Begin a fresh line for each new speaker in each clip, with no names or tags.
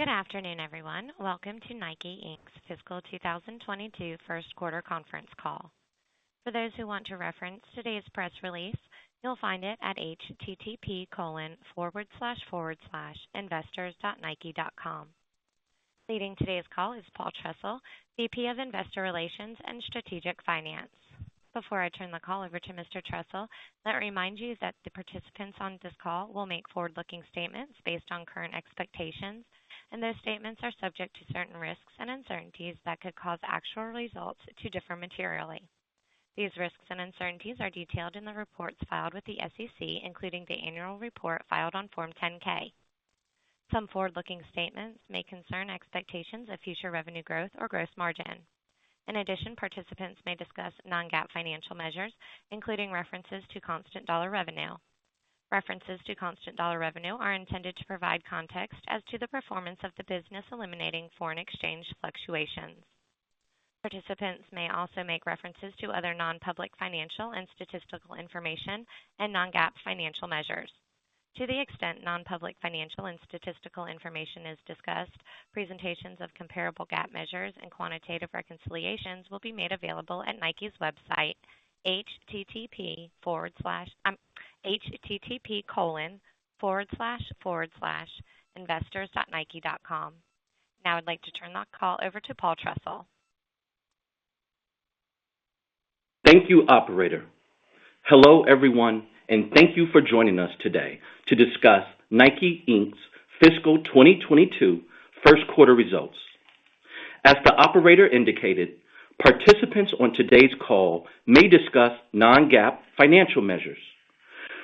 Good afternoon, everyone. Welcome to Nike, Inc.'s fiscal 2022 first quarter conference call. For those who want to reference today's press release, you'll find it at http://investors.nike.com. Leading today's call is Paul Trussell, VP of Investor Relations and Strategic Finance. Before I turn the call over to Mr. Trussell, let me remind you that the participants on this call will make forward-looking statements based on current expectations. Those statements are subject to certain risks and uncertainties that could cause actual results to differ materially. These risks and uncertainties are detailed in the reports filed with the SEC, including the annual report filed on Form 10-K. Some forward-looking statements may concern expectations of future revenue growth or gross margin. In addition, participants may discuss non-GAAP financial measures, including references to constant dollar revenue. References to constant dollar revenue are intended to provide context as to the performance of the business eliminating foreign exchange fluctuations. Participants may also make references to other non-public financial and statistical information and non-GAAP financial measures. To the extent non-public financial and statistical information is discussed, presentations of comparable GAAP measures and quantitative reconciliations will be made available at Nike's website http://investors.nike.com. Now I'd like to turn the call over to Paul Trussell.
Thank you, operator. Hello, everyone, and thank you for joining us today to discuss Nike, Inc.'s fiscal 2022 first quarter results. As the operator indicated, participants on today's call may discuss non-GAAP financial measures.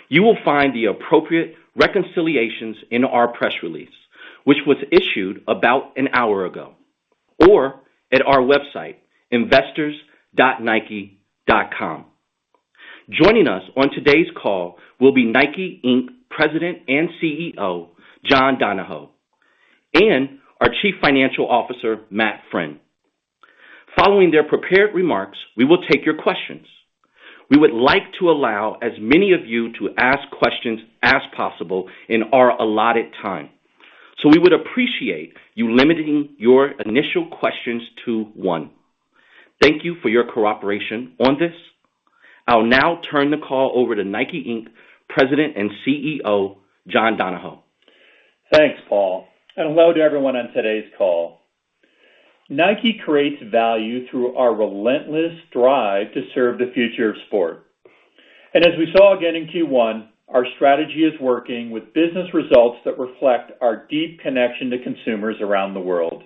You will find the appropriate reconciliations in our press release, which was issued about an hour ago, or at our website, investors.nike.com. Joining us on today's call will be Nike, Inc. President and CEO, John Donahoe, and our Chief Financial Officer, Matthew Friend. Following their prepared remarks, we will take your questions. We would like to allow as many of you to ask questions as possible in our allotted time. We would appreciate you limiting your initial questions to one. Thank you for your cooperation on this. I'll now turn the call over to Nike, Inc. President and CEO, John Donahoe.
Thanks, Paul, and hello to everyone on today's call. Nike creates value through our relentless drive to serve the future of sport. As we saw again in Q1, our strategy is working with business results that reflect our deep connection to consumers around the world.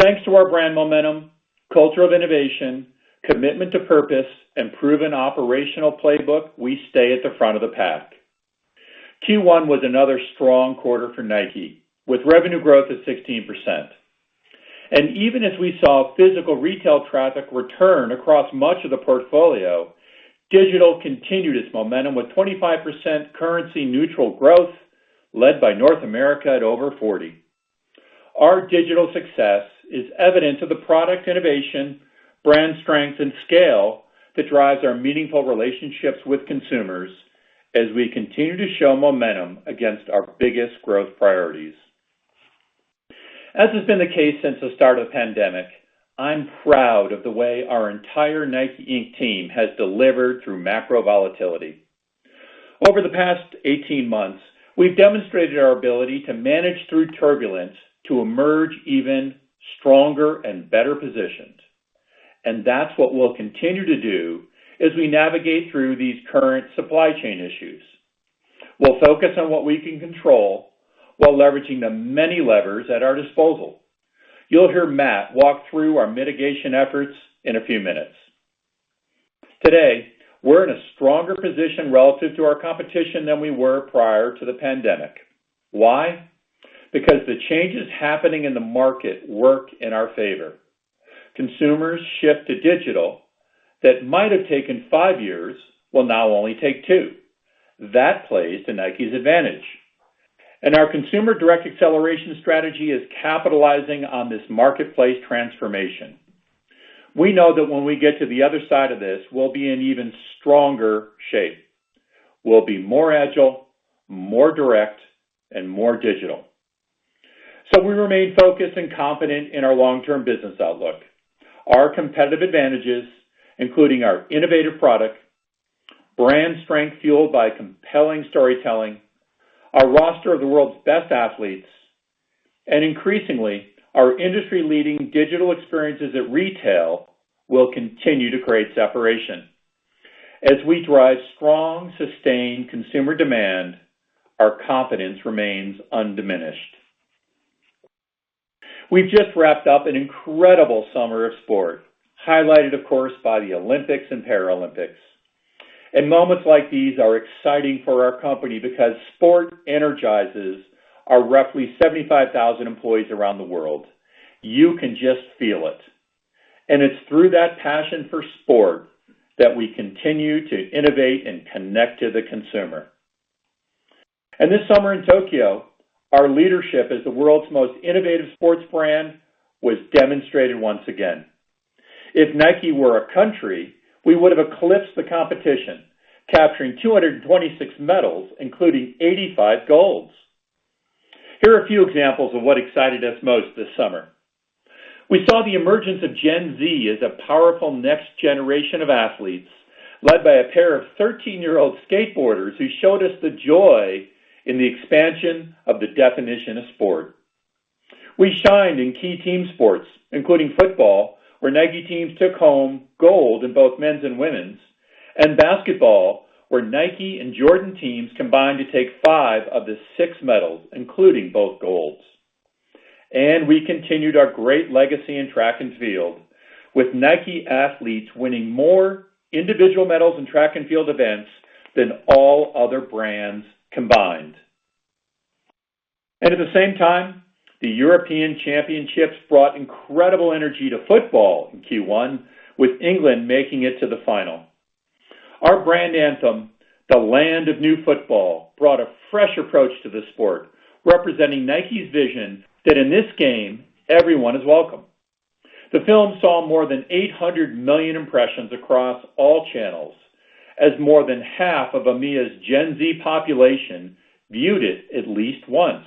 Thanks to our brand momentum, culture of innovation, commitment to purpose, and proven operational playbook, we stay at the front of the pack. Q1 was another strong quarter for Nike, with revenue growth of 16%. Even as we saw physical retail traffic return across much of the portfolio, digital continued its momentum with 25% currency neutral growth led by North America at over 40. Our digital success is evidence of the product innovation, brand strength, and scale that drives our meaningful relationships with consumers as we continue to show momentum against our biggest growth priorities. As has been the case since the start of the pandemic, I'm proud of the way our entire Nike, Inc. team has delivered through macro volatility. Over the past 18 months, we've demonstrated our ability to manage through turbulence to emerge even stronger and better positioned. That's what we'll continue to do as we navigate through these current supply chain issues. We'll focus on what we can control while leveraging the many levers at our disposal. You'll hear Matt walk through our mitigation efforts in a few minutes. Today, we're in a stronger position relative to our competition than we were prior to the pandemic. Why? Because the changes happening in the market work in our favor. Consumers shift to digital that might have taken five years will now only take two. That plays to Nike's advantage. Our Consumer Direct Acceleration strategy is capitalizing on this marketplace transformation. We know that when we get to the other side of this, we'll be in even stronger shape. We'll be more agile, more direct, and more digital. We remain focused and confident in our long-term business outlook. Our competitive advantages, including our innovative product, brand strength fueled by compelling storytelling, our roster of the world's best athletes, and increasingly, our industry-leading digital experiences at retail will continue to create separation. As we drive strong, sustained consumer demand, our confidence remains undiminished. We've just wrapped up an incredible summer of sport, highlighted, of course, by the Olympics and Paralympics. Moments like these are exciting for our company because sport energizes our roughly 75,000 employees around the world. You can just feel it. It's through that passion for sport that we continue to innovate and connect to the consumer. This summer in Tokyo, our leadership as the world's most innovative sports brand was demonstrated once again. If Nike were a country, we would have eclipsed the competition, capturing 226 medals, including 85 golds. Here are a few examples of what excited us most this summer. We saw the emergence of Gen Z as a powerful next generation of athletes, led by a pair of 13-year-old skateboarders who showed us the joy in the expansion of the definition of sport. We shined in key team sports, including football, where Nike teams took home gold in both men's and women's, and basketball, where Nike and Jordan teams combined to take five of the six medals, including both golds. We continued our great legacy in track and field with Nike athletes winning more individual medals in track and field events than all other brands combined. At the same time, the European Championships brought incredible energy to football in Q1, with England making it to the final. Our brand anthem, The Land of New Football, brought a fresh approach to the sport, representing Nike's vision that in this game, everyone is welcome. The film saw more than 800 million impressions across all channels as more than half of EMEA's Gen Z population viewed it at least once.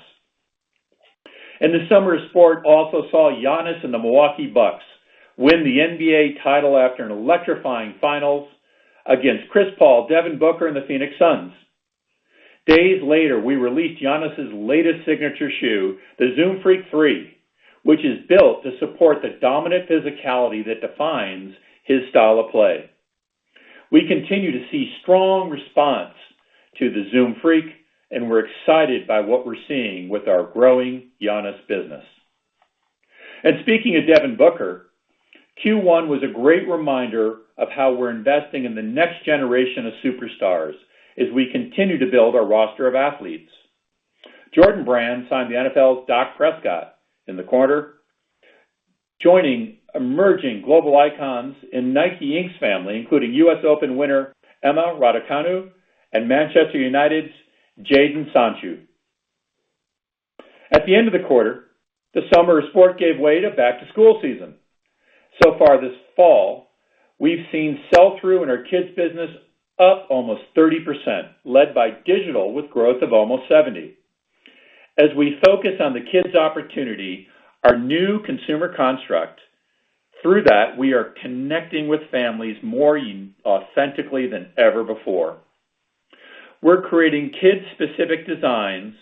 The summer of sport also saw Giannis and the Milwaukee Bucks win the NBA title after an electrifying finals against Chris Paul, Devin Booker, and the Phoenix Suns. Days later, we released Giannis' latest signature shoe, the Zoom Freak 3, which is built to support the dominant physicality that defines his style of play. We continue to see strong response to the Zoom Freak, and we're excited by what we're seeing with our growing Giannis business. Speaking of Devin Booker, Q1 was a great reminder of how we're investing in the next generation of superstars as we continue to build our roster of athletes. Jordan Brand signed the NFL's Dak Prescott in the quarter, joining emerging global icons in Nike Inc's family, including US Open winner Emma Raducanu and Manchester United's Jadon Sancho. At the end of the quarter, the summer of sport gave way to back-to-school season. So far this fall, we've seen sell-through in our kids business up almost 30%, led by digital with growth of almost 70%. We focus on the kids opportunity, our new consumer construct, through that, we are connecting with families more authentically than ever before. We're creating kids-specific designs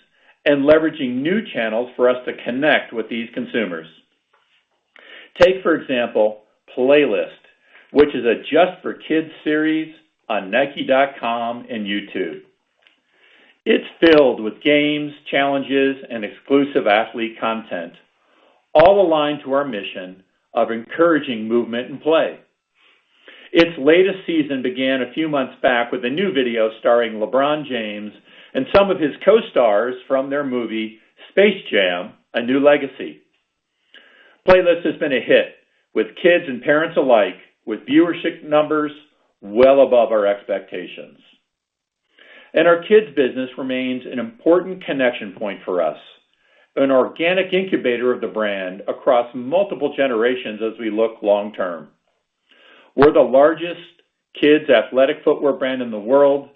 and leveraging new channels for us to connect with these consumers. Take, for example, Playlist, which is a just-for-kids series on nike.com and YouTube. It's filled with games, challenges, and exclusive athlete content, all aligned to our mission of encouraging movement and play. Its latest season began a few months back with a new video starring LeBron James and some of his co-stars from their movie Space Jam: A New Legacy. Playlist has been a hit with kids and parents alike, with viewership numbers well above our expectations. Our kids business remains an important connection point for us, an organic incubator of the brand across multiple generations as we look long term. We're the largest kids athletic footwear brand in the world,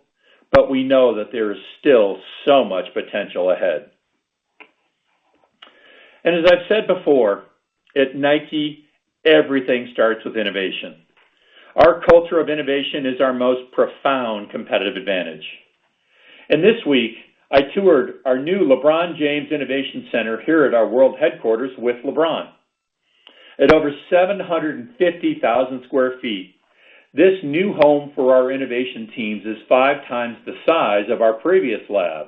we know that there is still so much potential ahead. As I've said before, at Nike, everything starts with innovation. Our culture of innovation is our most profound competitive advantage. This week, I toured our new LeBron James Innovation Center here at our world headquarters with LeBron. At over 750,000 square feet, this new home for our innovation teams is five times the size of our previous lab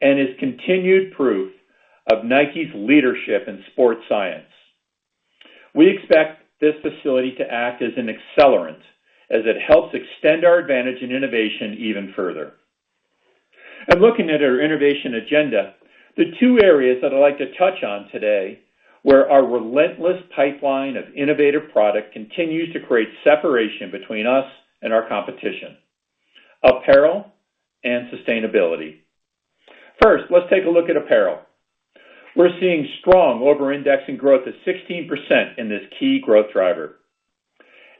and is continued proof of Nike's leadership in sports science. We expect this facility to act as an accelerant as it helps extend our advantage in innovation even further. Looking at our innovation agenda, the two areas that I'd like to touch on today where our relentless pipeline of innovative product continues to create separation between us and our competition, apparel and sustainability. First, let's take a look at apparel. We're seeing strong over-indexing growth of 16% in this key growth driver.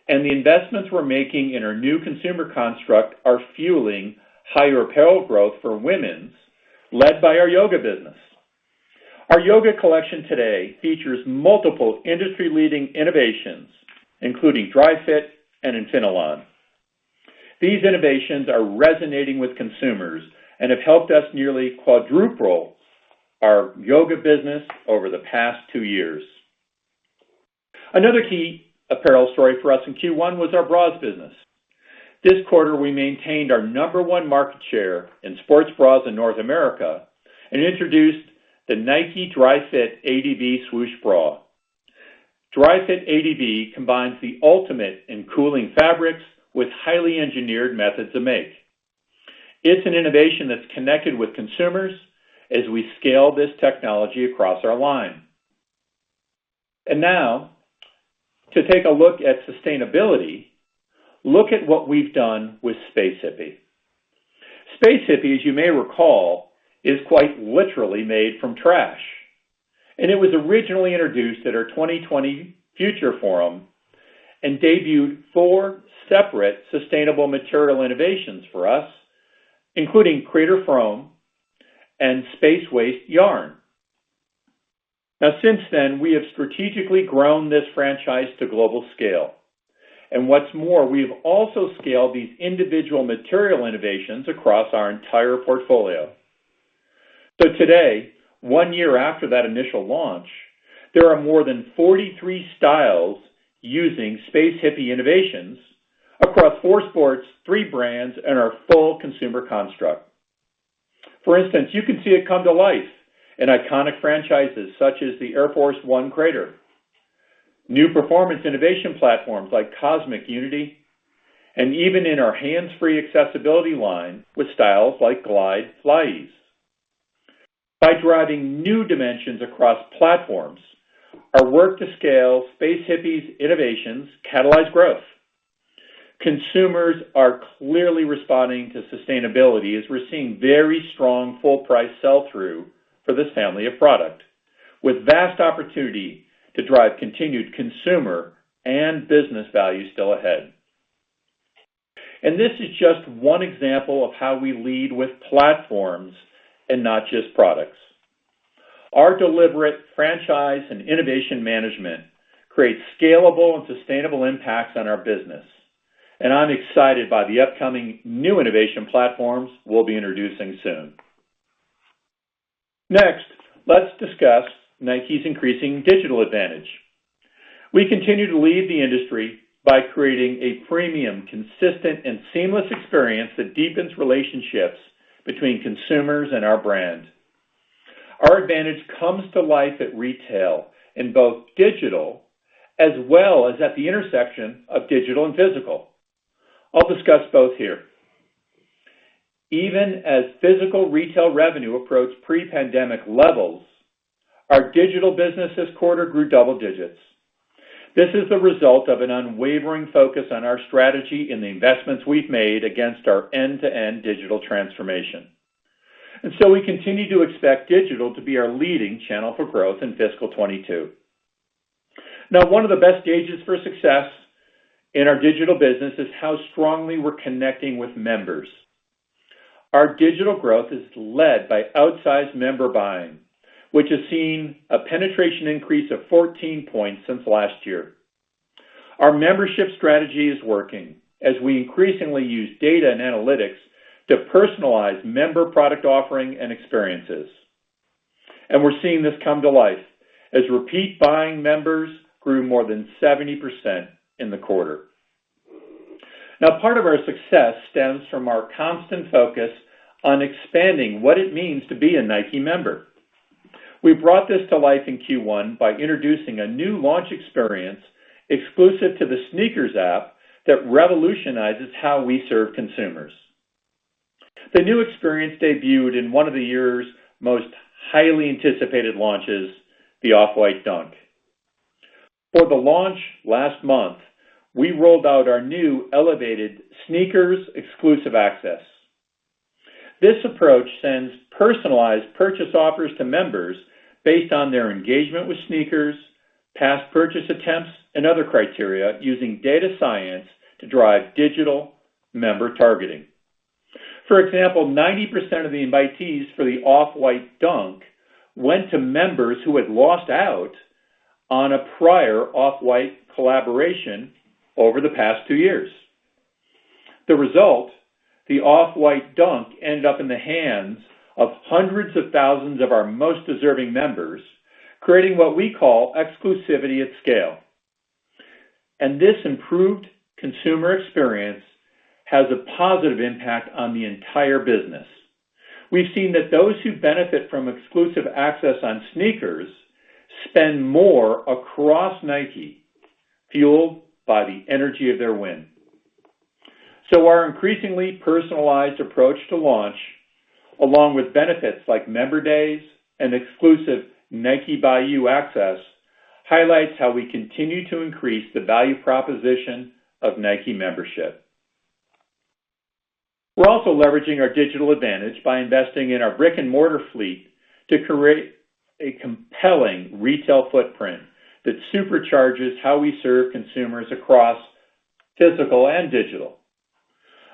The investments we're making in our new consumer construct are fueling higher apparel growth for women's, led by our yoga business. Our yoga collection today features multiple industry-leading innovations, including Dri-FIT and Infinalon. These innovations are resonating with consumers and have helped us nearly quadruple our yoga business over the past two years. Another key apparel story for us in Q1 was our bras business. This quarter, we maintained our number 1 market share in sports bras in North America and introduced the Nike Dri-FIT ADV Swoosh Bra. Dri-FIT ADV combines the ultimate in cooling fabrics with highly engineered methods of make. It's an innovation that's connected with consumers as we scale this technology across our line. Now, to take a look at sustainability, look at what we've done with Space Hippie. Space Hippie, as you may recall, is quite literally made from trash. It was originally introduced at our Nike 2020 Future Forum and debuted four separate sustainable material innovations for us, including Crater Foam and Space Waste Yarn. Now, since then, we have strategically grown this franchise to global scale. What's more, we've also scaled these individual material innovations across our entire portfolio. Today, one year after that initial launch, there are more than 43 styles using Space Hippie innovations across four sports, three brands, and our full consumer construct. For instance, you can see it come to life in iconic franchises such as the Air Force 1 Crater, new performance innovation platforms like Cosmic Unity, and even in our hands-free accessibility line with styles like Glide FlyEase. By driving new dimensions across platforms, our work to scale Space Hippie's innovations catalyze growth. Consumers are clearly responding to sustainability as we're seeing very strong full price sell-through for this family of product, with vast opportunity to drive continued consumer and business value still ahead. This is just one example of how we lead with platforms and not just products. Our deliberate franchise and innovation management creates scalable and sustainable impacts on our business. I'm excited by the upcoming new innovation platforms we'll be introducing soon. Next, let's discuss Nike's increasing digital advantage. We continue to lead the industry by creating a premium, consistent, and seamless experience that deepens relationships between consumers and our brand. Our advantage comes to life at retail in both digital as well as at the intersection of digital and physical. I'll discuss both here. Even as physical retail revenue approached pre-pandemic levels, our digital business this quarter grew double digits. This is the result of an unwavering focus on our strategy and the investments we've made against our end-to-end digital transformation. We continue to expect digital to be our leading channel for growth in fiscal 2022. One of the best gauges for success in our digital business is how strongly we're connecting with members. Our digital growth is led by outsized member buying, which has seen a penetration increase of 14 points since last year. Our membership strategy is working as we increasingly use data and analytics to personalize member product offering and experiences. We're seeing this come to life as repeat buying members grew more than 70% in the quarter. Part of our success stems from our constant focus on expanding what it means to be a Nike member. We brought this to life in Q1 by introducing a new launch experience exclusive to the SNKRS app that revolutionizes how we serve consumers. The new experience debuted in one of the year's most highly anticipated launches, the Off-White Dunk. For the launch last month, we rolled out our new elevated SNKRS exclusive access. This approach sends personalized purchase offers to members based on their engagement with SNKRS, past purchase attempts, and other criteria using data science to drive digital member targeting. For example, 90% of the invitees for the Off-White Dunk went to members who had lost out on a prior Off-White collaboration over the past two years. The result, the Off-White Dunk ended up in the hands of hundreds of thousands of our most deserving members, creating what we call exclusivity at scale. This improved consumer experience has a positive impact on the entire business. We've seen that those who benefit from exclusive access on SNKRS spend more across Nike, fueled by the energy of their win. Our increasingly personalized approach to launch, along with benefits like member days and exclusive Nike By You access, highlights how we continue to increase the value proposition of Nike membership. We're also leveraging our digital advantage by investing in our brick-and-mortar fleet to create a compelling retail footprint that supercharges how we serve consumers across physical and digital.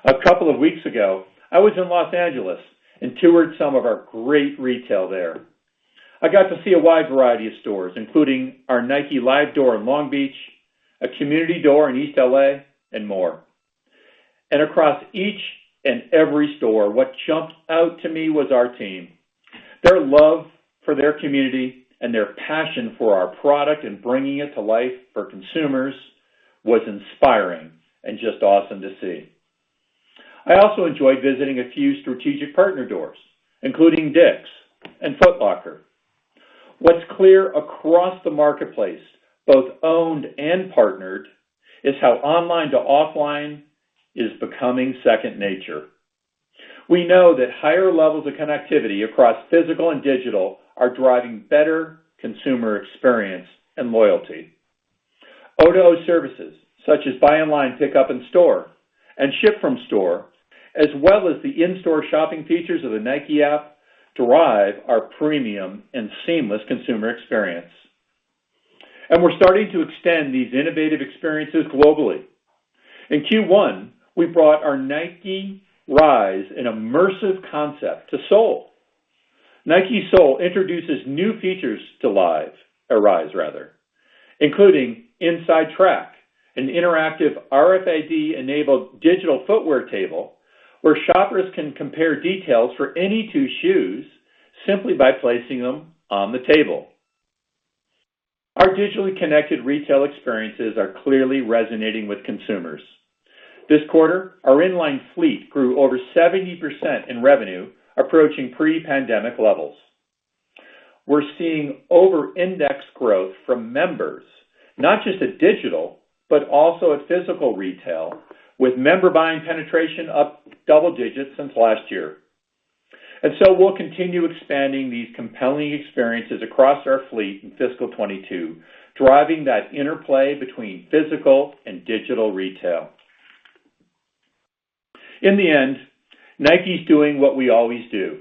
A couple of weeks ago, I was in Los Angeles and toured some of our great retail there. I got to see a wide variety of stores, including our Nike Live door in Long Beach, a community door in East L.A., and more. Across each and every store, what jumped out to me was our team. Their love for their community and their passion for our product and bringing it to life for consumers was inspiring and just awesome to see. I also enjoyed visiting a few strategic partner doors, including DICK'S and Foot Locker. What's clear across the marketplace, both owned and partnered, is how online to offline is becoming second nature. We know that higher levels of connectivity across physical and digital are driving better consumer experience and loyalty. O2O services such as buy online, pick up in store and ship from store, as well as the in-store shopping features of the Nike App drive our premium and seamless consumer experience. We're starting to extend these innovative experiences globally. In Q1, we brought our Nike Rise, an immersive concept, to Seoul. Nike Seoul introduces new features to Rise rather, including Inside Track, an interactive RFID-enabled digital footwear table where shoppers can compare details for any two shoes simply by placing them on the table. Our digitally connected retail experiences are clearly resonating with consumers. This quarter, our in-line fleet grew over 70% in revenue, approaching pre-pandemic levels. We're seeing over-index growth from members, not just at digital, but also at physical retail, with member buying penetration up double digits since last year. We'll continue expanding these compelling experiences across our fleet in fiscal 2022, driving that interplay between physical and digital retail. In the end, Nike's doing what we always do,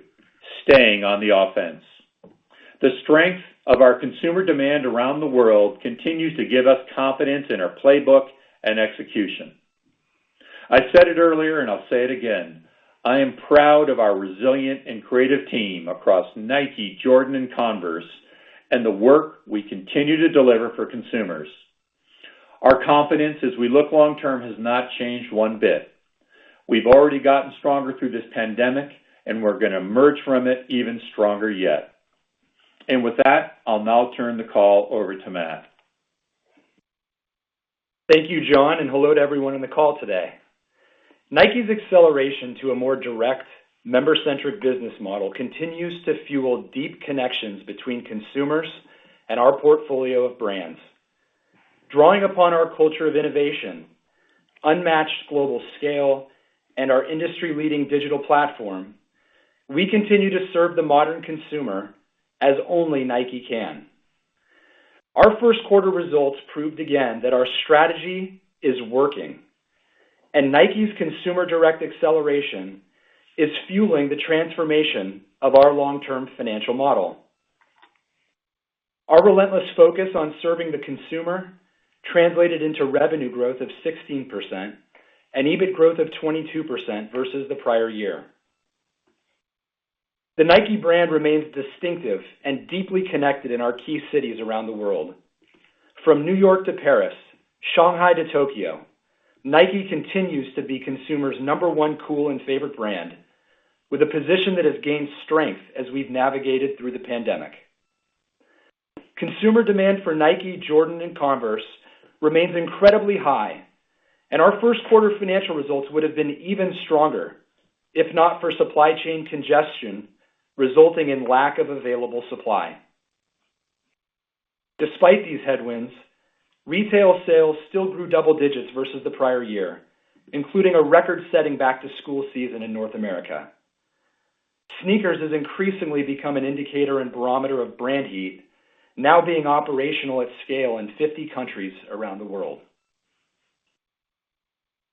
staying on the offense. The strength of our consumer demand around the world continues to give us confidence in our playbook and execution. I said it earlier, and I'll say it again, I am proud of our resilient and creative team across Nike, Jordan, and Converse, and the work we continue to deliver for consumers. Our confidence as we look long-term has not changed one bit. We've already gotten stronger through this pandemic, and we're gonna emerge from it even stronger yet. With that, I'll now turn the call over to Matt.
Thank you, John. Hello to everyone on the call today. Nike's acceleration to a more direct, member-centric business model continues to fuel deep connections between consumers and our portfolio of brands. Drawing upon our culture of innovation, unmatched global scale, and our industry-leading digital platform, we continue to serve the modern consumer as only Nike can. Our first quarter results proved again that our strategy is working. Nike's Consumer Direct Acceleration is fueling the transformation of our long-term financial model. Our relentless focus on serving the consumer translated into revenue growth of 16% and EBIT growth of 22% versus the prior year. The Nike brand remains distinctive and deeply connected in our key cities around the world. From New York to Paris, Shanghai to Tokyo, Nike continues to be consumers' number one cool and favorite brand with a position that has gained strength as we've navigated through the pandemic. Consumer demand for Nike, Jordan, and Converse remains incredibly high, and our first quarter financial results would have been even stronger if not for supply chain congestion resulting in lack of available supply. Despite these headwinds, retail sales still grew double digits versus the prior year, including a record-setting back-to-school season in North America. SNKRS has increasingly become an indicator and barometer of brand heat, now being operational at scale in 50 countries around the world.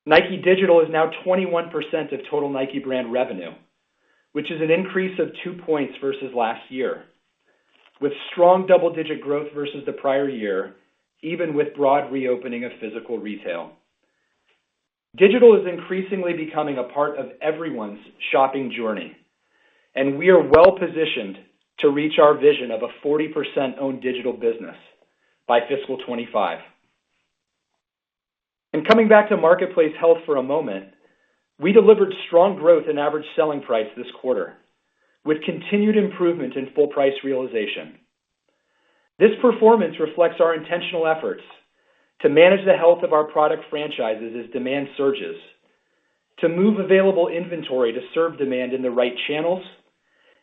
Nike Digital is now 21% of total Nike brand revenue, which is an increase of two points versus last year, with strong double-digit growth versus the prior year, even with broad reopening of physical retail. Digital is increasingly becoming a part of everyone's shopping journey. We are well-positioned to reach our vision of a 40% owned digital business by fiscal 2025. Coming back to marketplace health for a moment, we delivered strong growth in average selling price this quarter with continued improvement in full price realization. This performance reflects our intentional efforts to manage the health of our product franchises as demand surges, to move available inventory to serve demand in the right channels,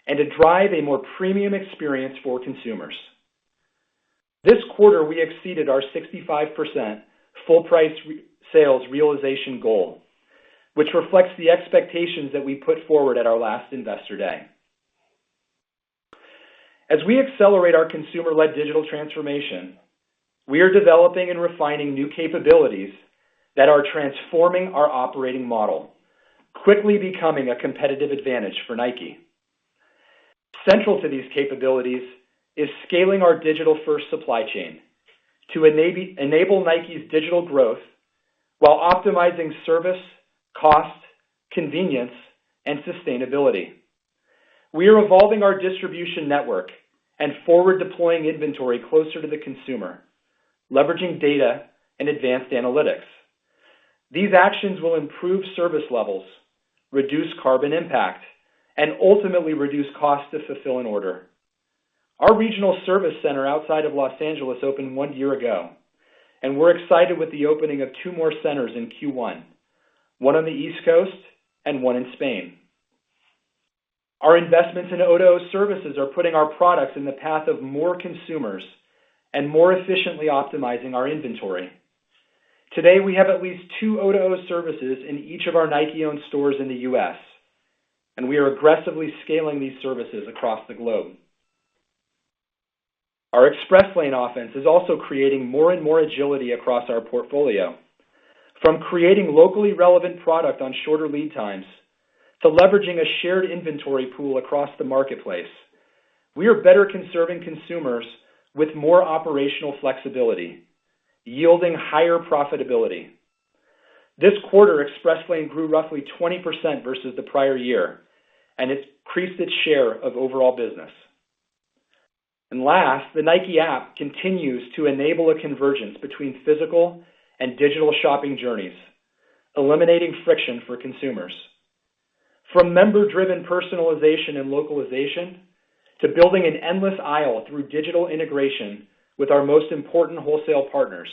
and to drive a more premium experience for consumers. This quarter, we exceeded our 65% full price sales realization goal, which reflects the expectations that we put forward at our last Investor Day. As we accelerate our consumer-led digital transformation, we are developing and refining new capabilities that are transforming our operating model, quickly becoming a competitive advantage for Nike. Central to these capabilities is scaling our digital-first supply chain to enable Nike's digital growth while optimizing service, cost, convenience, and sustainability. We are evolving our distribution network and forward deploying inventory closer to the consumer, leveraging data and advanced analytics. These actions will improve service levels, reduce carbon impact, and ultimately reduce cost to fulfill an order. Our regional service center outside of L.A. opened one year ago, and we're excited with the opening of two more centers in Q1, one on the East Coast and one in Spain. Our investments in O2O services are putting our products in the path of more consumers and more efficiently optimizing our inventory. Today, we have at least two O2O services in each of our Nike-owned stores in the U.S., and we are aggressively scaling these services across the globe. Our Express Lane offense is also creating more and more agility across our portfolio. From creating locally relevant product on shorter lead times to leveraging a shared inventory pool across the marketplace, we are better conserving consumers with more operational flexibility, yielding higher profitability. This quarter, Express Lane grew roughly 20% versus the prior year, and it's increased its share of overall business. Last, the Nike app continues to enable a convergence between physical and digital shopping journeys, eliminating friction for consumers. From member-driven personalization and localization to building an endless aisle through digital integration with our most important wholesale partners,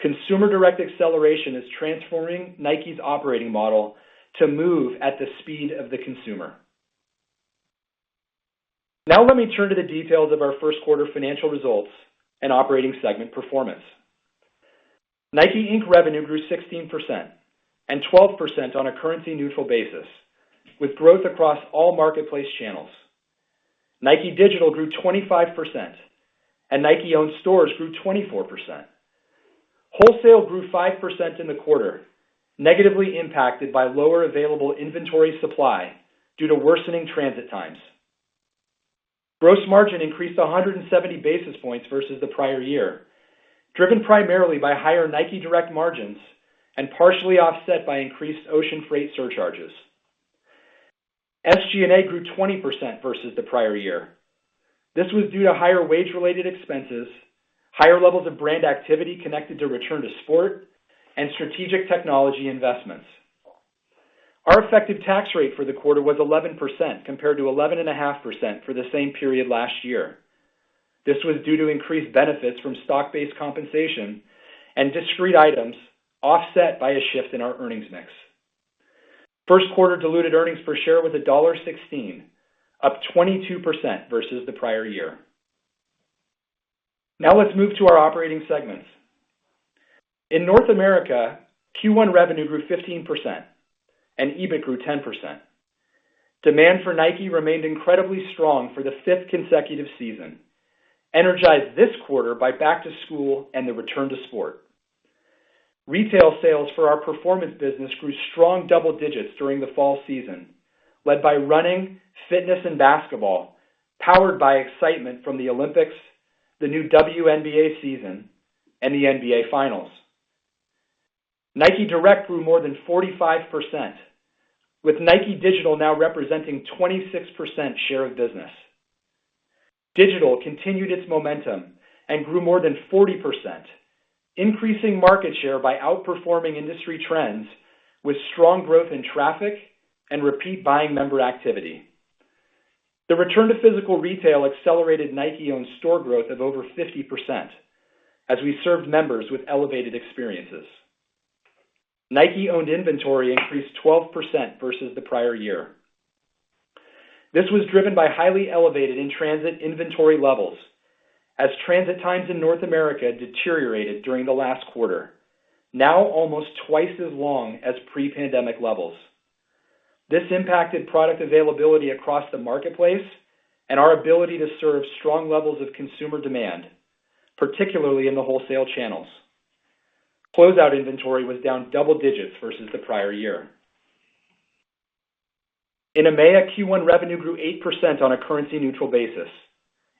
Consumer Direct Acceleration is transforming Nike's operating model to move at the speed of the consumer. Let me turn to the details of our first quarter financial results and operating segment performance. Nike, Inc. revenue grew 16% and 12% on a currency neutral basis, with growth across all marketplace channels. Nike Digital grew 25%, and Nike-owned stores grew 24%. Wholesale grew 5% in the quarter, negatively impacted by lower available inventory supply due to worsening transit times. Gross margin increased 170 basis points versus the prior year, driven primarily by higher Nike Direct margins and partially offset by increased ocean freight surcharges. SG&A grew 20% versus the prior year. This was due to higher wage-related expenses, higher levels of brand activity connected to return to sport, and strategic technology investments. Our effective tax rate for the quarter was 11% compared to 11.5% for the same period last year. This was due to increased benefits from stock-based compensation and discrete items offset by a shift in our earnings mix. First quarter diluted earnings per share was $1.16, up 22% versus the prior year. Let's move to our operating segments. In North America, Q1 revenue grew 15%, and EBIT grew 10%. Demand for Nike remained incredibly strong for the fifth consecutive season, energized this quarter by back to school and the return to sport. Retail sales for our performance business grew strong double digits during the fall season, led by running, fitness, and basketball, powered by excitement from the Olympics, the new WNBA season, and the NBA finals. Nike Direct grew more than 45%, with Nike Digital now representing 26% share of business. Digital continued its momentum and grew more than 40%, increasing market share by outperforming industry trends with strong growth in traffic and repeat buying member activity. The return to physical retail accelerated Nike-owned store growth of over 50% as we served members with elevated experiences. Nike-owned inventory increased 12% versus the prior year. This was driven by highly elevated in-transit inventory levels as transit times in North America deteriorated during the last quarter, now almost twice as long as pre-pandemic levels. This impacted product availability across the marketplace and our ability to serve strong levels of consumer demand, particularly in the wholesale channels. Closeout inventory was down double digits versus the prior year. In EMEA, Q1 revenue grew 8% on a currency neutral basis,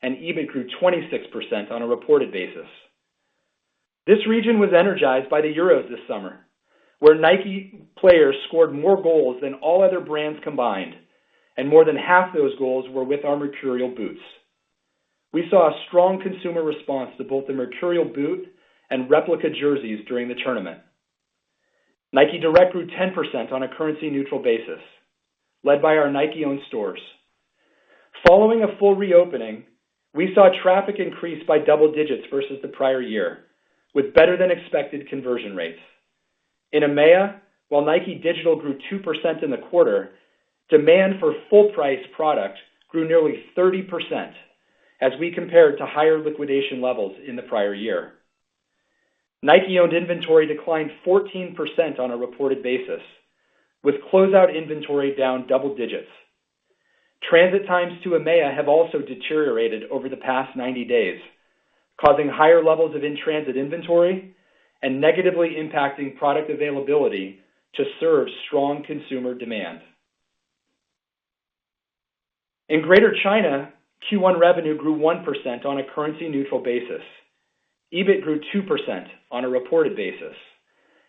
and EBIT grew 26% on a reported basis. This region was energized by the Euros this summer, where Nike players scored more goals than all other brands combined, and more than half those goals were with our Mercurial boots. We saw a strong consumer response to both the Mercurial boot and replica jerseys during the tournament. Nike Direct grew 10% on a currency neutral basis, led by our Nike-owned stores. Following a full reopening, we saw traffic increase by double digits versus the prior year, with better than expected conversion rates. In EMEA, while Nike Digital grew 2% in the quarter, demand for full price product grew nearly 30% as we compared to higher liquidation levels in the prior year. Nike-owned inventory declined 14% on a reported basis, with closeout inventory down double digits. Transit times to EMEA have also deteriorated over the past 90 days, causing higher levels of in-transit inventory and negatively impacting product availability to serve strong consumer demand. In Greater China, Q1 revenue grew 1% on a currency neutral basis. EBIT grew 2% on a reported basis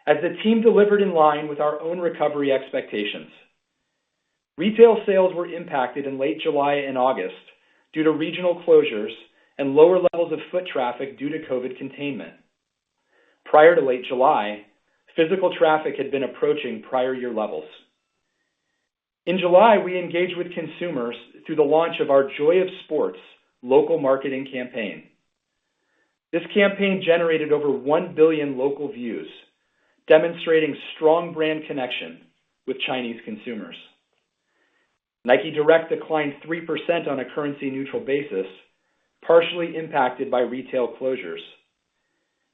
as the team delivered in line with our own recovery expectations. Retail sales were impacted in late July and August due to regional closures and lower levels of foot traffic due to COVID containment. Prior to late July, physical traffic had been approaching prior year levels. In July, we engaged with consumers through the launch of our Joy of Sports local marketing campaign. This campaign generated over 1 billion local views, demonstrating strong brand connection with Chinese consumers. Nike Direct declined 3% on a currency neutral basis, partially impacted by retail closures.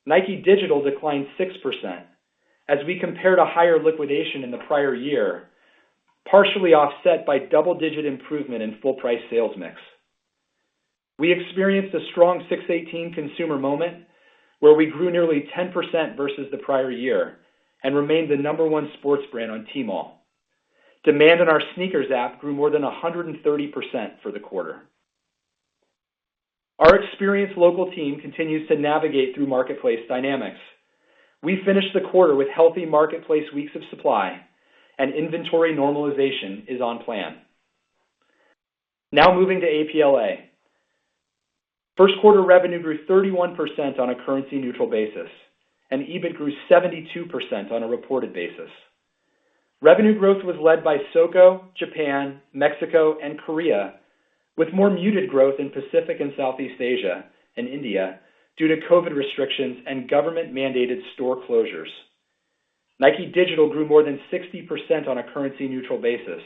Nike Digital declined 6% as we compared a higher liquidation in the prior year, partially offset by double-digit improvement in full price sales mix. We experienced a strong 618 consumer moment where we grew nearly 10% versus the prior year and remained the number one sports brand on Tmall. Demand in our SNKRS app grew more than 130% for the quarter. Our experienced local team continues to navigate through marketplace dynamics. We finished the quarter with healthy marketplace weeks of supply and inventory normalization is on plan. Moving to APLA. First quarter revenue grew 31% on a currency neutral basis, EBIT grew 72% on a reported basis. Revenue growth was led by SOCO, Japan, Mexico and Korea, with more muted growth in Pacific and Southeast Asia and India due to COVID restrictions and government-mandated store closures. Nike Digital grew more than 60% on a currency neutral basis,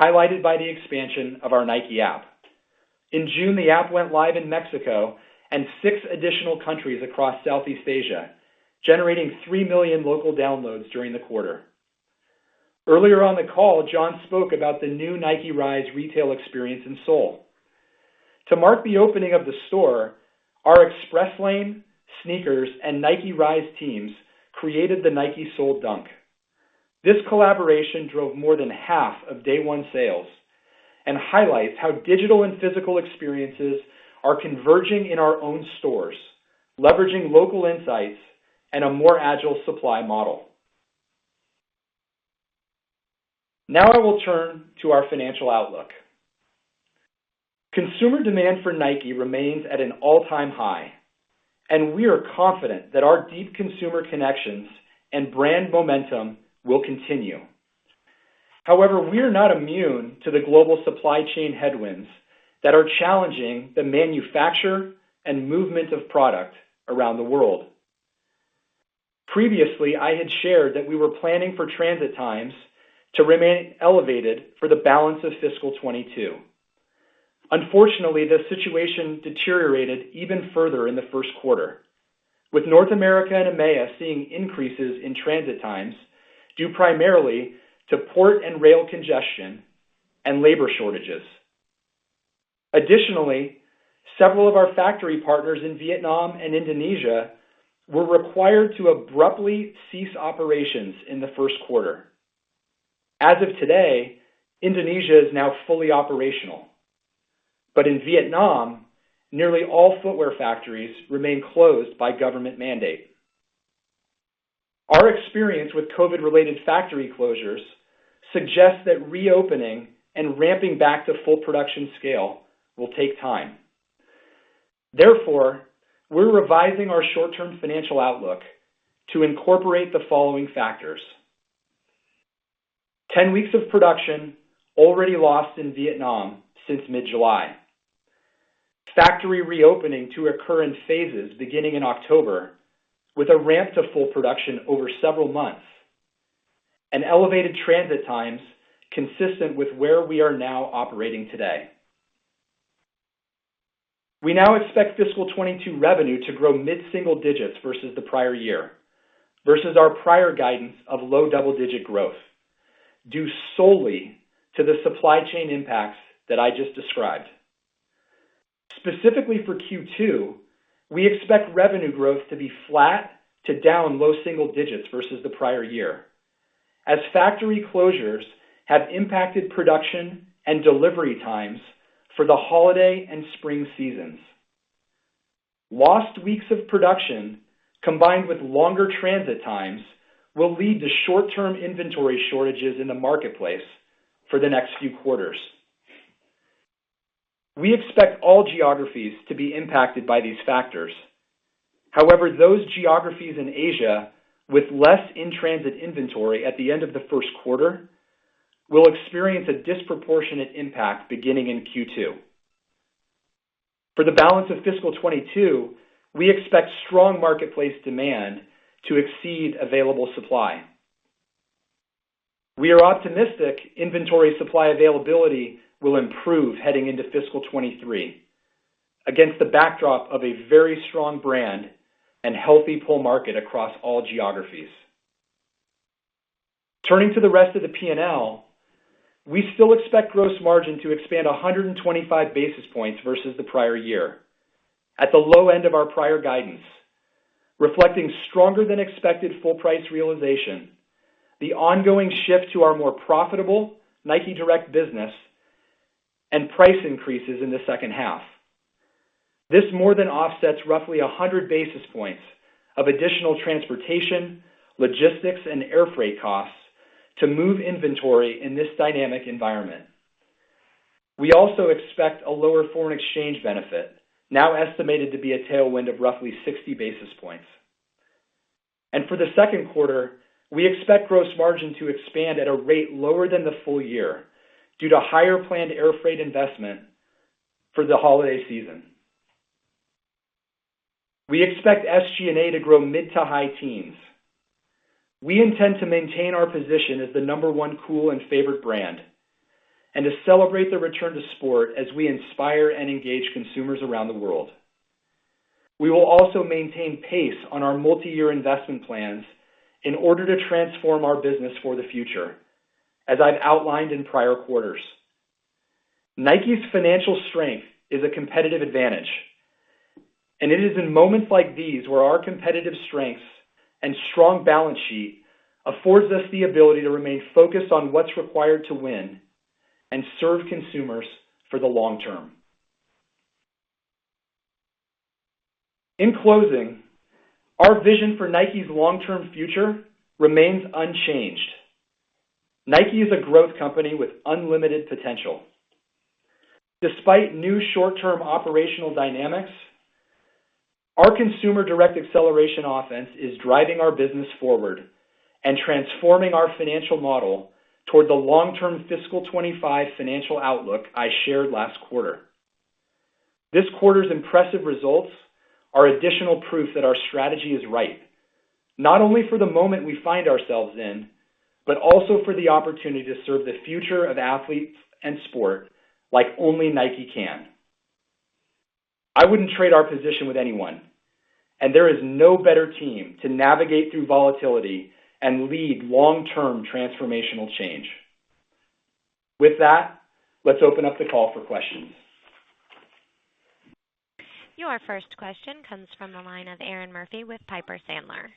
highlighted by the expansion of our Nike App. In June, the app went live in Mexico and six additional countries across Southeast Asia, generating 3 million local downloads during the quarter. Earlier on the call, John Donahoe spoke about the new Nike Rise retail experience in Seoul. To mark the opening of the store, our Express Lane, SNKRS and Nike Rise teams created the Nike Seoul Dunk. This collaboration drove more than half of day one sales and highlights how digital and physical experiences are converging in our own stores, leveraging local insights and a more agile supply model. I will turn to our financial outlook. Consumer demand for Nike remains at an all-time high, and we are confident that our deep consumer connections and brand momentum will continue. However, we are not immune to the global supply chain headwinds that are challenging the manufacture and movement of product around the world. Previously, I had shared that we were planning for transit times to remain elevated for the balance of fiscal 2022. Unfortunately, the situation deteriorated even further in the first quarter, with North America and EMEA seeing increases in transit times due primarily to port and rail congestion and labor shortages. Additionally, several of our factory partners in Vietnam and Indonesia were required to abruptly cease operations in the first quarter. As of today, Indonesia is now fully operational. In Vietnam, nearly all footwear factories remain closed by government mandate. Our experience with COVID-related factory closures suggests that reopening and ramping back to full production scale will take time. Therefore, we're revising our short-term financial outlook to incorporate the following factors. 10 weeks of production already lost in Vietnam since mid-July. Factory reopening to occur in phases beginning in October with a ramp to full production over several months. Elevated transit times consistent with where we are now operating today. We now expect fiscal 2022 revenue to grow mid-single digits versus the prior year, versus our prior guidance of low double-digit growth due solely to the supply chain impacts that I just described. Specifically for Q2, we expect revenue growth to be flat to down low single digits versus the prior year, as factory closures have impacted production and delivery times for the holiday and spring seasons. Lost weeks of production combined with longer transit times will lead to short-term inventory shortages in the marketplace for the next few quarters. We expect all geographies to be impacted by these factors. However, those geographies in Asia with less in-transit inventory at the end of the first quarter will experience a disproportionate impact beginning in Q2. For the balance of fiscal 2022, we expect strong marketplace demand to exceed available supply. We are optimistic inventory supply availability will improve heading into fiscal 2023 against the backdrop of a very strong brand and healthy pull market across all geographies. Turning to the rest of the P&L, we still expect gross margin to expand 125 basis points versus the prior year at the low end of our prior guidance, reflecting stronger than expected full price realization, the ongoing shift to our more profitable Nike Direct business and price increases in the second half. This more than offsets roughly 100 basis points of additional transportation, logistics, and air freight costs to move inventory in this dynamic environment. We also expect a lower foreign exchange benefit, now estimated to be a tailwind of roughly 60 basis points. For the second quarter, we expect gross margin to expand at a rate lower than the full year due to higher planned air freight investment for the holiday season. We expect SG&A to grow mid to high teens. We intend to maintain our position as the number one cool and favored brand, and to celebrate the return to sport as we inspire and engage consumers around the world. We will also maintain pace on our multi-year investment plans in order to transform our business for the future, as I've outlined in prior quarters. Nike's financial strength is a competitive advantage, and it is in moments like these where our competitive strengths and strong balance sheet affords us the ability to remain focused on what's required to win and serve consumers for the long term. In closing, our vision for Nike's long-term future remains unchanged. Nike is a growth company with unlimited potential. Despite new short-term operational dynamics, our Consumer Direct Acceleration offense is driving our business forward and transforming our financial model toward the long-term fiscal 2025 financial outlook I shared last quarter. This quarter's impressive results are additional proof that our strategy is right, not only for the moment we find ourselves in, but also for the opportunity to serve the future of athletes and sport like only Nike can. I wouldn't trade our position with anyone, and there is no better team to navigate through volatility and lead long-term transformational change. With that, let's open up the call for questions.
Your first question comes from the line of Erinn Murphy with Piper Sandler.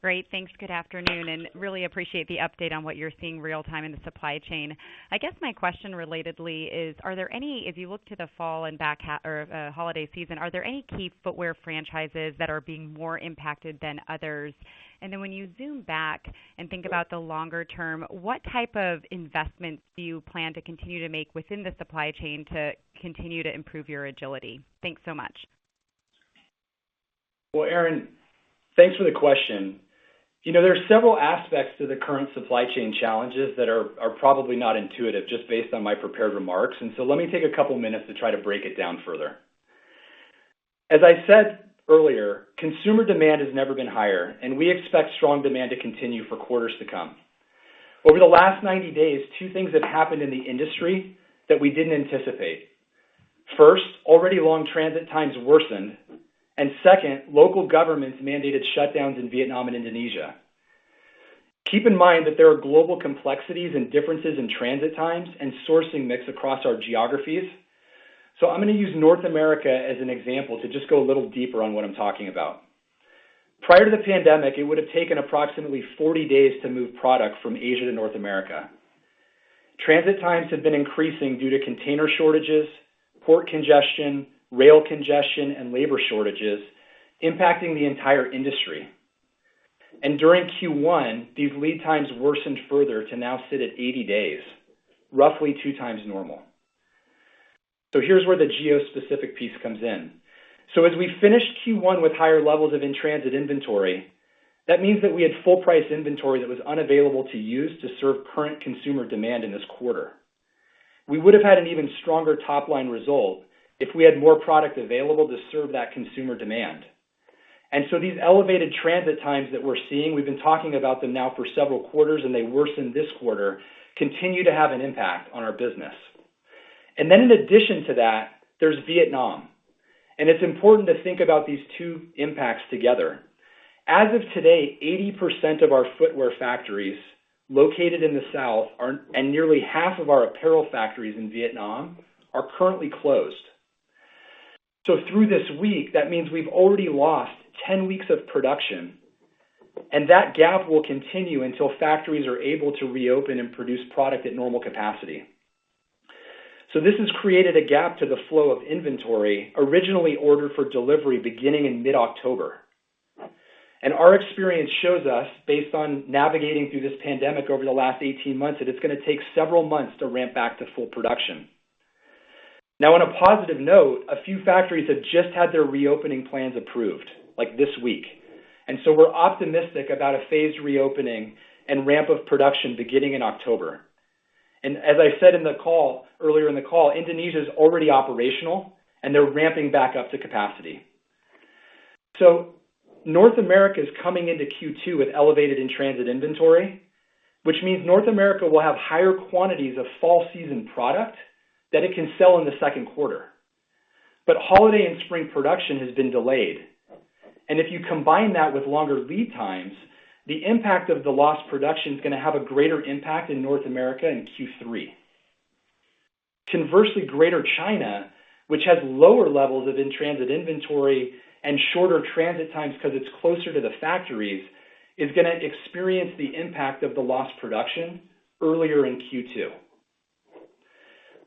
Great. Thanks. Good afternoon. Really appreciate the update on what you're seeing real time in the supply chain. I guess my question relatedly is, are there any, if you look to the fall and holiday season, are there any key footwear franchises that are being more impacted than others? When you zoom back and think about the longer term, what type of investments do you plan to continue to make within the supply chain to continue to improve your agility? Thanks so much.
Well, Erinn, thanks for the question. You know, there are several aspects to the current supply chain challenges that are probably not intuitive just based on my prepared remarks. Let me take a couple minutes to try to break it down further. As I said earlier, consumer demand has never been higher, and we expect strong demand to continue for quarters to come. Over the last 90 days, two things have happened in the industry that we didn't anticipate. First, already long transit times worsened. Second, local governments mandated shutdowns in Vietnam and Indonesia. Keep in mind that there are global complexities and differences in transit times and sourcing mix across our geographies. I'm gonna use North America as an example to just go a little deeper on what I'm talking about. Prior to the pandemic, it would have taken approximately 40 days to move product from Asia to North America. Transit times have been increasing due to container shortages, port congestion, rail congestion, and labor shortages impacting the entire industry. During Q1, these lead times worsened further to now sit at 80 days, roughly two times normal. Here's where the geo-specific piece comes in. As we finish Q1 with higher levels of in-transit inventory, that means that we had full price inventory that was unavailable to use to serve current consumer demand in this quarter. We would have had an even stronger top-line result if we had more product available to serve that consumer demand. These elevated transit times that we're seeing, we've been talking about them now for several quarters, and they worsened this quarter, continue to have an impact on our business. In addition to that, there's Vietnam. It's important to think about these two impacts together. As of today, 80% of our footwear factories located in the south are and nearly half of our apparel factories in Vietnam are currently closed. Through this week, that means we've already lost 10 weeks of production, and that gap will continue until factories are able to reopen and produce product at normal capacity. This has created a gap to the flow of inventory originally ordered for delivery beginning in mid-October. Our experience shows us, based on navigating through this pandemic over the last 18 months, that it's gonna take several months to ramp back to full production. On a positive note, a few factories have just had their reopening plans approved, like this week. We're optimistic about a phased reopening and ramp of production beginning in October. As I said in the call, earlier in the call, Indonesia is already operational, and they're ramping back up to capacity. North America is coming into Q2 with elevated in-transit inventory, which means North America will have higher quantities of fall season product that it can sell in the second quarter. Holiday and spring production has been delayed. If you combine that with longer lead times, the impact of the lost production is gonna have a greater impact in North America in Q3. Conversely, Greater China, which has lower levels of in-transit inventory and shorter transit times because it's closer to the factories, is gonna experience the impact of the lost production earlier in Q2.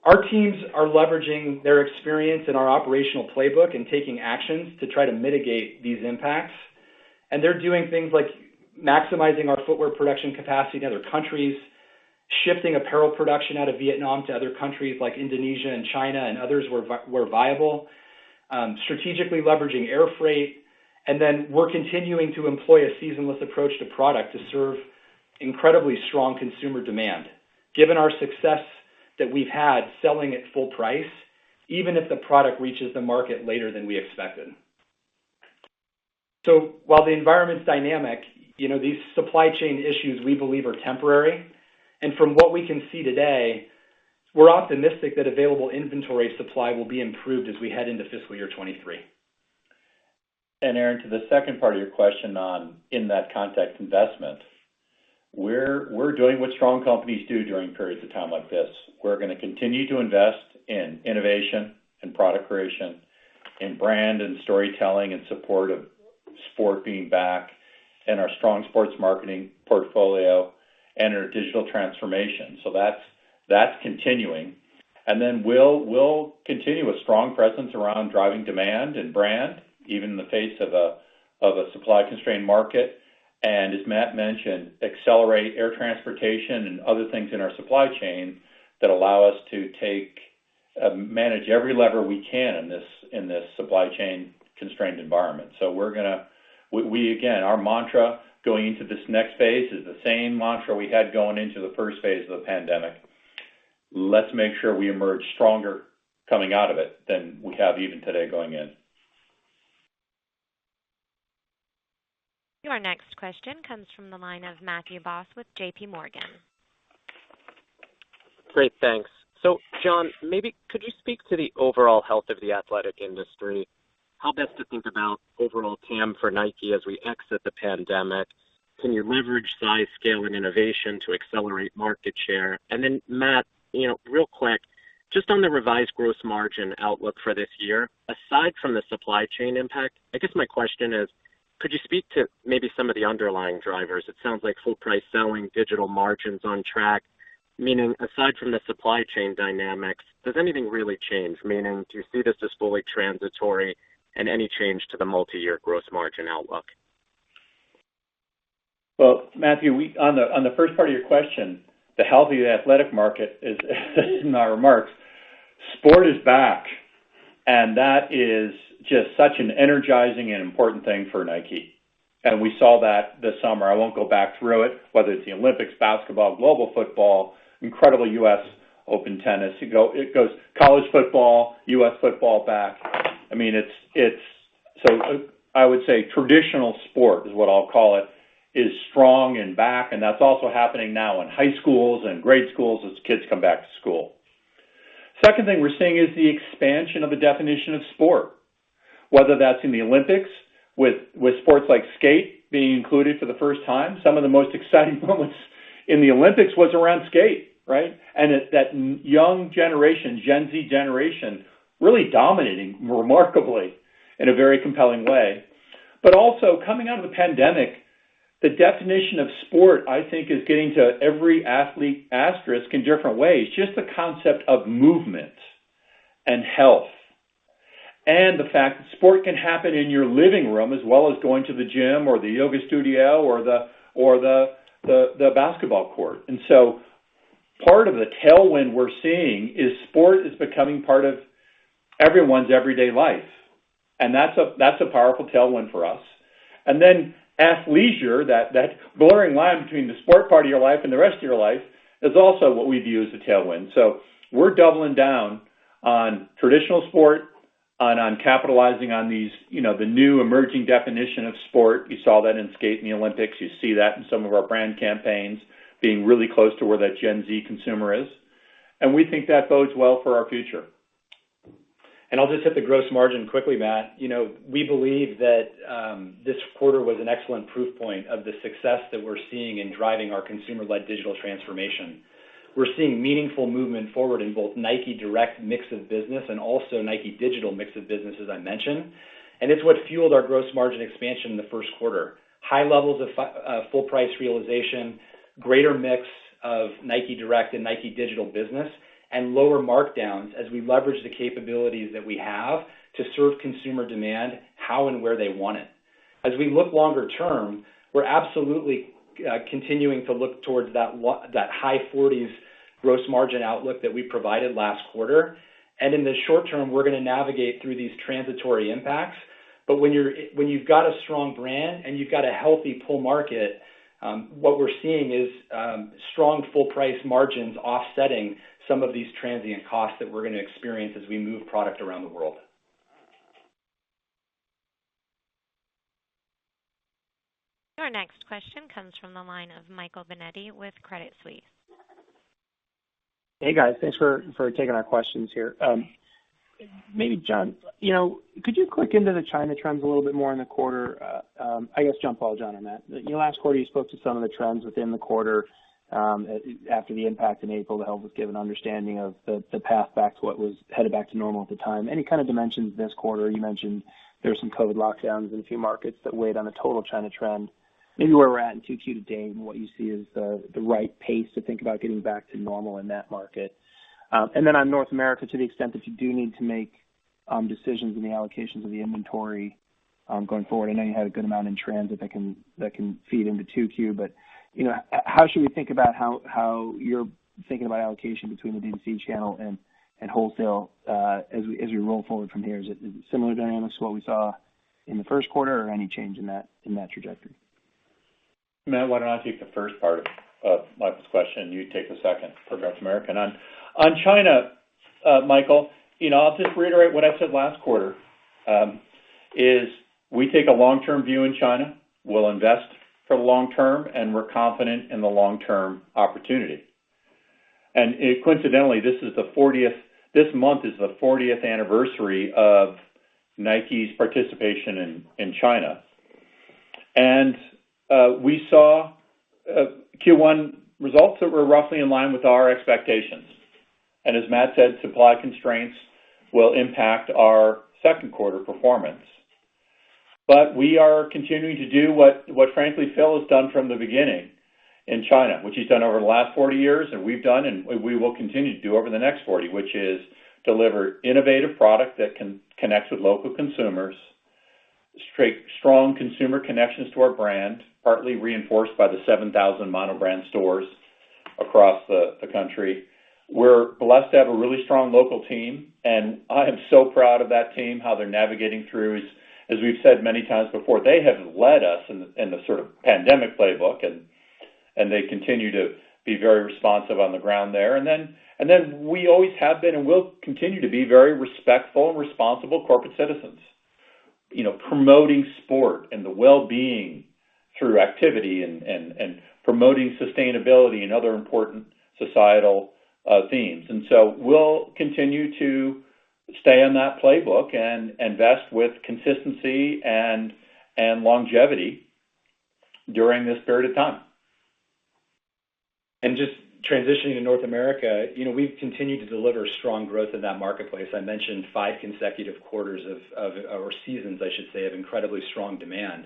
Our teams are leveraging their experience in our operational playbook and taking actions to try to mitigate these impacts. They're doing things like maximizing our footwear production capacity in other countries, shifting apparel production out of Vietnam to other countries like Indonesia and China and others where viable, strategically leveraging air freight. We're continuing to employ a season-less approach to product to serve incredibly strong consumer demand, given our success that we've had selling at full price, even if the product reaches the market later than we expected. While the environment's dynamic, you know, these supply chain issues we believe are temporary. From what we can see today, we're optimistic that available inventory supply will be improved as we head into fiscal year 2023.
Erinn Murphy, to the second part of your question on in that context investment, we're doing what strong companies do during periods of time like this. We're going to continue to invest in innovation and product creation, in brand and storytelling in support of sport being back, in our strong sports marketing portfolio and our digital transformation. That's continuing. We'll continue a strong presence around driving demand and brand, even in the face of a supply-constrained market. As Matthew Friend mentioned, accelerate air transportation and other things in our supply chain that allow us to take, manage every lever we can in this supply chain constrained environment. Again, our mantra going into this next phase is the same mantra we had going into the first phase of the pandemic. Let's make sure we emerge stronger coming out of it than we have even today going in.
Our next question comes from the line of Matthew Boss with J.P. Morgan.
Great, thanks. John, maybe could you speak to the overall health of the athletic industry? How best to think about overall TAM for Nike as we exit the pandemic? Can you leverage size, scale, and innovation to accelerate market share? Matt, you know, real quick, just on the revised gross margin outlook for this year, aside from the supply chain impact, I guess my question is, could you speak to maybe some of the underlying drivers? It sounds like full price selling, digital margins on track. Meaning, aside from the supply chain dynamics, does anything really change? Meaning, do you see this as fully transitory and any change to the multi-year gross margin outlook?
Well, Matthew, on the first part of your question, the healthy athletic market is in our remarks. Sport is back, that is just such an energizing and important thing for Nike. We saw that this summer. I won't go back through it, whether it's the Olympics, basketball, global football, incredible US Open tennis. It goes college football, U.S. football back. I mean, it's I would say traditional sport, is what I'll call it, is strong and back, that's also happening now in high schools and grade schools as kids come back to school. Second thing we're seeing is the expansion of the definition of sport, whether that's in the Olympics with sports like skate being included for the first time. Some of the most exciting moments in the Olympics was around skate, right? That young generation, Gen Z generation, really dominating remarkably in a very compelling way. Also, coming out of the pandemic, the definition of sport, I think, is getting to every athlete asterisk in different ways. Just the concept of movement and health. The fact that sport can happen in your living room as well as going to the gym or the yoga studio or the basketball court. Part of the tailwind we're seeing is sport is becoming part of everyone's everyday life, and that's a powerful tailwind for us. Then athleisure, that blurring line between the sport part of your life and the rest of your life, is also what we view as a tailwind. We're doubling down on traditional sport and on capitalizing on these, you know, the new emerging definition of sport. You saw that in skate in the Olympics. You see that in some of our brand campaigns being really close to where that Gen Z consumer is. We think that bodes well for our future.
I'll just hit the gross margin quickly, Matt. You know, we believe that this quarter was an excellent proof point of the success that we're seeing in driving our consumer-led digital transformation. We're seeing meaningful movement forward in both Nike Direct mix of business and also Nike Digital mix of business, as I mentioned. It's what fueled our gross margin expansion in the first quarter. High levels of full price realization, greater mix of Nike Direct and Nike Digital business, and lower markdowns as we leverage the capabilities that we have to serve consumer demand how and where they want it. As we look longer term, we're absolutely continuing to look towards that high forties gross margin outlook that we provided last quarter. In the short term, we're gonna navigate through these transitory impacts. When you've got a strong brand and you've got a healthy pull market, what we're seeing is strong full price margins offsetting some of these transient costs that we're gonna experience as we move product around the world.
Our next question comes from the line of Michael Binetti with Credit Suisse.
Hey, guys. Thanks for taking our questions here. Maybe John, you know, could you click into the China trends a little bit more in the quarter? I guess John, Paul, John and Matt. You know, last quarter, you spoke to some of the trends within the quarter, after the impact in April to help us give an understanding of the path back to what was headed back to normal at the time. Any kind of dimensions this quarter? You mentioned there were some COVID lockdowns in a few markets that weighed on the total China trend. Maybe where we're at in Q2 to date and what you see as the right pace to think about getting back to normal in that market. On North America, to the extent that you do need to make decisions in the allocations of the inventory going forward. I know you had a good amount in transit that can feed into Q2. You know, how should we think about how you're thinking about allocation between the D2C channel and wholesale as we roll forward from here? Is it similar dynamics to what we saw in the first quarter, or any change in that trajectory?
Matt, why don't I take the first part of Michael's question, and you take the second for North America. On China, Michael, you know, I'll just reiterate what I said last quarter, we take a long-term view in China. We'll invest for the long term, we're confident in the long-term opportunity. Coincidentally, this month is the fortieth anniversary of Nike's participation in China. We saw Q1 results that were roughly in line with our expectations. As Matt said, supply constraints will impact our second quarter performance. We are continuing to do what frankly Phil has done from the beginning in China, which he's done over the last 40 years, and we've done, and we will continue to do over the next 40, which is deliver innovative product that can connect with local consumers, strict, strong consumer connections to our brand, partly reinforced by the 7,000 mono-brand stores across the country. We're blessed to have a really strong local team, and I am so proud of that team, how they're navigating through. As we've said many times before, they have led us in the sort of pandemic playbook and they continue to be very responsive on the ground there. We always have been, and will continue to be very respectful and responsible corporate citizens. You know, promoting sport and the well-being through activity and promoting sustainability and other important societal themes. We'll continue to stay on that playbook and invest with consistency and longevity during this period of time.
Just transitioning to North America, you know, we've continued to deliver strong growth in that marketplace. I mentioned five consecutive quarters of or seasons, I should say, of incredibly strong demand.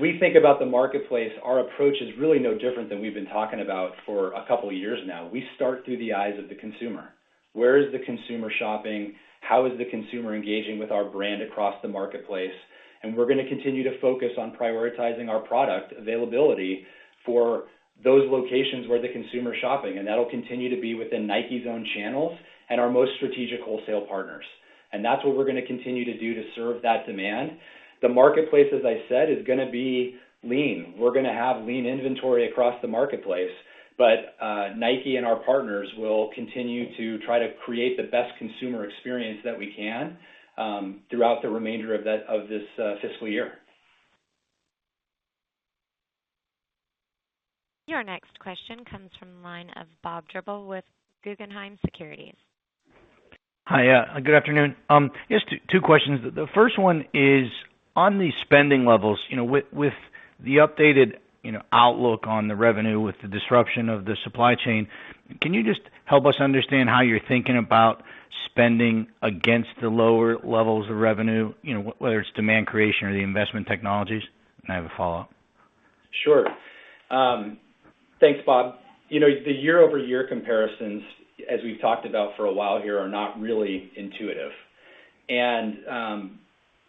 We think about the marketplace, our approach is really no different than we've been talking about for a couple of years now. We start through the eyes of the consumer. Where is the consumer shopping? How is the consumer engaging with our brand across the marketplace? We're gonna continue to focus on prioritizing our product availability for those locations where the consumer's shopping, and that'll continue to be within Nike's own channels and our most strategic wholesale partners. That's what we're gonna continue to do to serve that demand. The marketplace, as I said, is gonna be lean. We're gonna have lean inventory across the marketplace. Nike and our partners will continue to try to create the best consumer experience that we can, throughout the remainder of this fiscal year.
Your next question comes from the line of Robert Drbul with Guggenheim Securities.
Hi, good afternoon. Just two questions. The first one is on the spending levels. You know, with the updated, you know, outlook on the revenue, with the disruption of the supply chain, can you just help us understand how you're thinking about spending against the lower levels of revenue, you know, whether it's demand creation or the investment technologies? I have a follow-up.
Sure. Thanks, Bob. You know, the year-over-year comparisons, as we've talked about for a while here, are not really intuitive.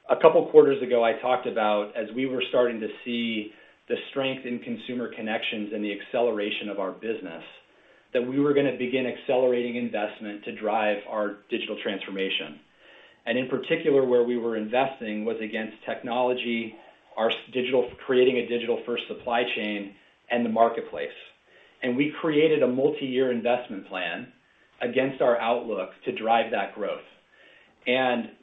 A couple of quarters ago, I talked about as we were starting to see the strength in consumer connections and the acceleration of our business, that we were going to begin accelerating investment to drive our digital transformation. In particular, where we were investing was against technology, our creating a digital first supply chain and the marketplace. We created a multi-year investment plan against our outlook to drive that growth.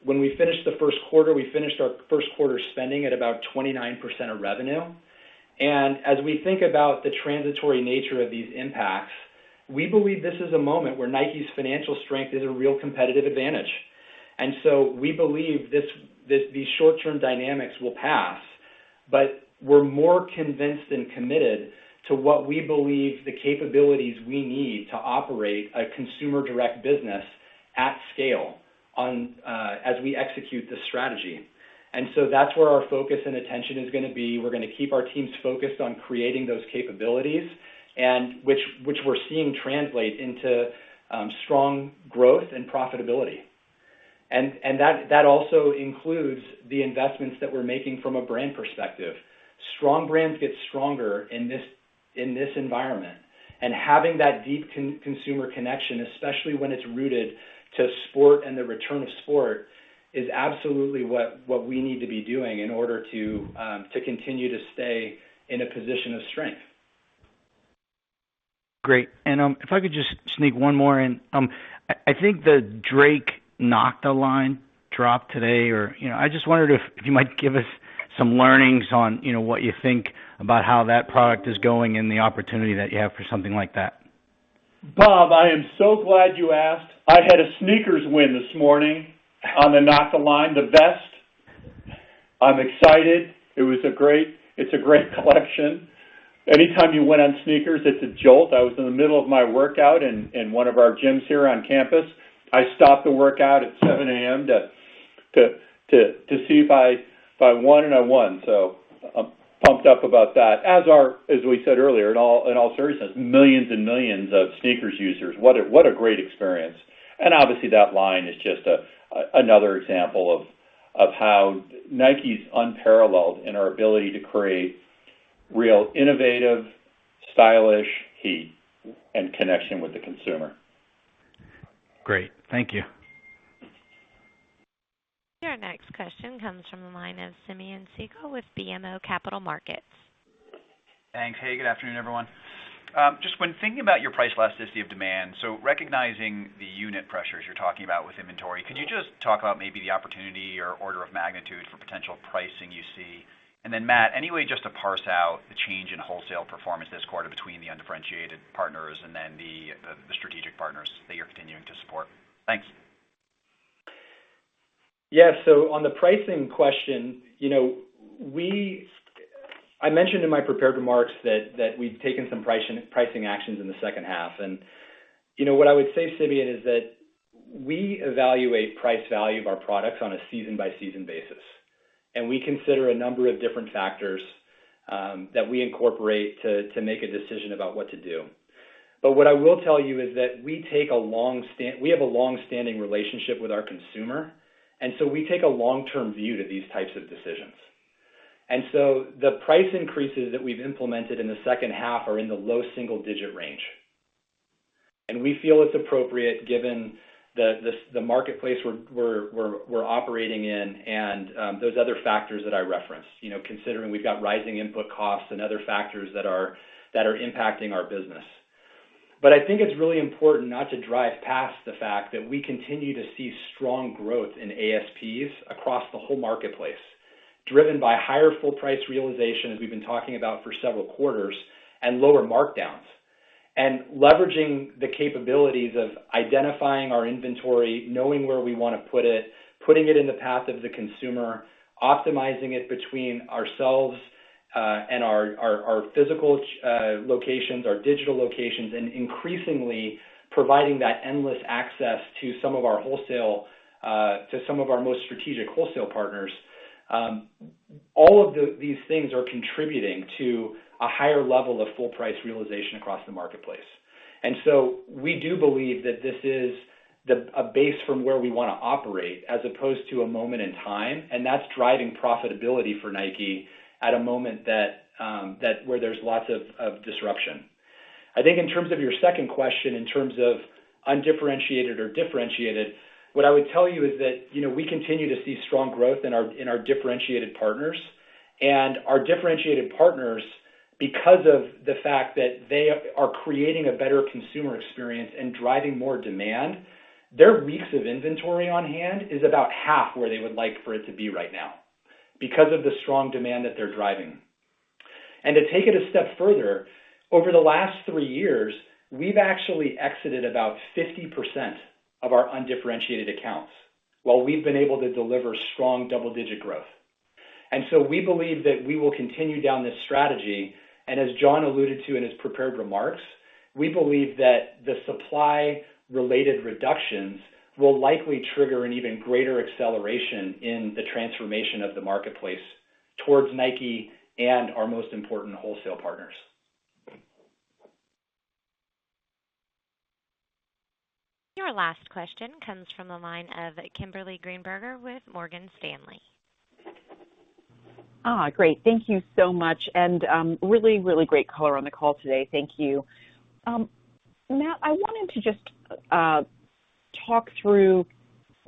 When we finished the first quarter, we finished our first quarter spending at about 29% of revenue. As we think about the transitory nature of these impacts, we believe this is a moment where Nike's financial strength is a real competitive advantage. We believe these short-term dynamics will pass, but we're more convinced and committed to what we believe the capabilities we need to operate a consumer direct business at scale as we execute this strategy. That's where our focus and attention is going to be. We're going to keep our teams focused on creating those capabilities which we're seeing translate into strong growth and profitability. That also includes the investments that we're making from a brand perspective. Strong brands get stronger in this environment. Having that deep consumer connection, especially when it's rooted to sport and the return of sport, is absolutely what we need to be doing in order to continue to stay in a position of strength.
Great. If I could just sneak one more in. I think the Drake NOCTA line dropped today or, you know. I just wondered if you might give us some learnings on, you know, what you think about how that product is going and the opportunity that you have for something like that.
Robert, I am so glad you asked. I had a SNKRS win this morning on the NOCTA line, the best. I'm excited. It's a great collection. Anytime you win on SNKRS, it's a jolt. I was in the middle of my workout in one of our gyms here on campus. I stopped the workout at 7:00 A.M. to see if I won, and I won. I'm pumped up about that. As we said earlier, in all seriousness, millions of SNKRS users. What a great experience. Obviously, that line is just another example of how Nike's unparalleled in our ability to create real innovative, stylish heat and connection with the consumer.
Great. Thank you.
Your next question comes from the line of Simeon Siegel with BMO Capital Markets.
Thanks. Hey, good afternoon, everyone. Just when thinking about your price elasticity of demand, so recognizing the unit pressures you're talking about with inventory, could you just talk about maybe the opportunity or order of magnitude for potential pricing you see? Then Matt, any way just to parse out the change in wholesale performance this quarter between the undifferentiated partners and then the strategic partners that you're continuing to support. Thanks.
Yeah. On the pricing question, you know, I mentioned in my prepared remarks that we've taken some pricing actions in the second half. You know, what I would say, Simeon, is that we evaluate price value of our products on a season by season basis. We consider a number of different factors that we incorporate to make a decision about what to do. What I will tell you is that we have a long-standing relationship with our consumer, we take a long-term view to these types of decisions. The price increases that we've implemented in the second half are in the low single-digit range. We feel it's appropriate given the marketplace we're operating in and those other factors that I referenced, you know, considering we've got rising input costs and other factors that are impacting our business. I think it's really important not to drive past the fact that we continue to see strong growth in ASPs across the whole marketplace, driven by higher full price realization, as we've been talking about for several quarters, and lower markdowns. Leveraging the capabilities of identifying our inventory, knowing where we wanna put it, putting it in the path of the consumer, optimizing it between ourselves and our physical locations, our digital locations, and increasingly providing that endless access to some of our wholesale to some of our most strategic wholesale partners. All of these things are contributing to a higher level of full price realization across the marketplace. We do believe that this is a base from where we wanna operate as opposed to a moment in time, and that's driving profitability for Nike at a moment that where there's lots of disruption. I think in terms of your second question, in terms of undifferentiated or differentiated, what I would tell you is that, you know, we continue to see strong growth in our differentiated partners. Our differentiated partners, because of the fact that they are creating a better consumer experience and driving more demand, their weeks of inventory on hand is about half where they would like for it to be right now because of the strong demand that they're driving. To take it a step further, over the last three years, we've actually exited about 50% of our undifferentiated accounts while we've been able to deliver strong double-digit growth. We believe that we will continue down this strategy, and as John alluded to in his prepared remarks, we believe that the supply related reductions will likely trigger an even greater acceleration in the transformation of the marketplace towards Nike and our most important wholesale partners.
Your last question comes from the line of Kimberly Greenberger with Morgan Stanley.
Great. Thank you so much. Really, really great color on the call today. Thank you. Matt, I wanted to just talk through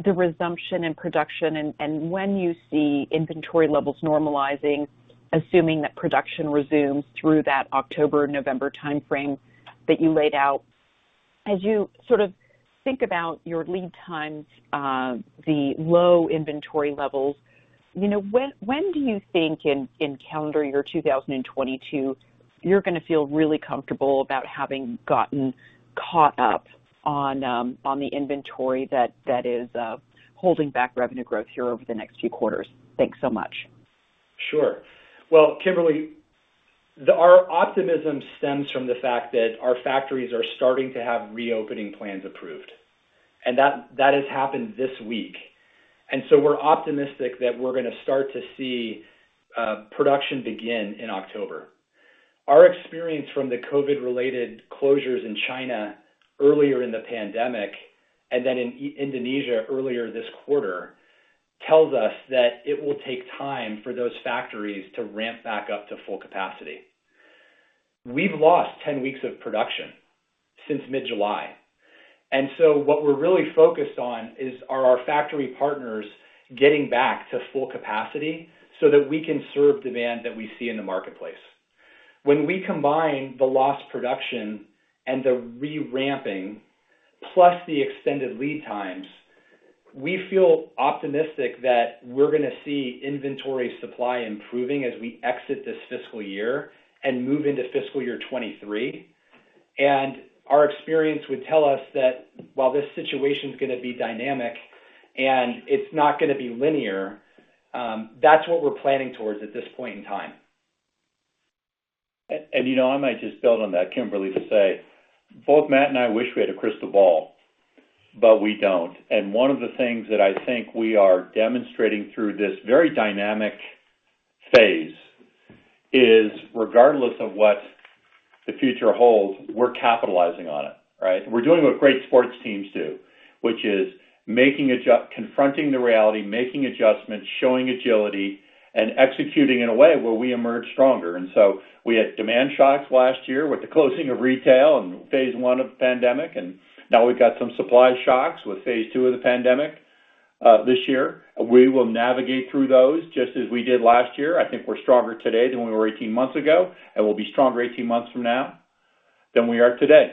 the resumption in production and when you see inventory levels normalizing, assuming that production resumes through that October-November timeframe that you laid out. As you sort of think about your lead times, the low inventory levels, you know, when do you think in calendar year 2022, you're gonna feel really comfortable about having gotten caught up on the inventory that is holding back revenue growth here over the next few quarters? Thanks so much.
Sure. Well, Kimberly, our optimism stems from the fact that our factories are starting to have reopening plans approved, and that has happened this week. We're optimistic that we're gonna start to see production begin in October. Our experience from the COVID related closures in China earlier in the pandemic, and then in Indonesia earlier this quarter, tells us that it will take time for those factories to ramp back up to full capacity. We've lost 10 weeks of production since mid-July. What we're really focused on is, are our factory partners getting back to full capacity so that we can serve demand that we see in the marketplace? When we combine the lost production and the re-ramping, plus the extended lead times, we feel optimistic that we're gonna see inventory supply improving as we exit this fiscal year and move into fiscal year 2023. Our experience would tell us that while this situation's gonna be dynamic and it's not gonna be linear, that's what we're planning towards at this point in time.
You know, I might just build on that, Kimberly, to say, both Matt and I wish we had a crystal ball. We don't. One of the things that I think we are demonstrating through this very dynamic phase is regardless of what the future holds, we're capitalizing on it. We're doing what great sports teams do, which is confronting the reality, making adjustments, showing agility, and executing in a way where we emerge stronger. We had demand shocks last year with the closing of retail and phase I of the pandemic, and now we've got some supply shocks with phase II of the pandemic this year. We will navigate through those just as we did last year. I think we're stronger today than we were 18 months ago, and we'll be stronger 18 months from now than we are today.